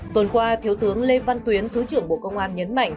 tuần qua thiếu tướng lê văn tuyến thứ trưởng bộ công an nhấn mạnh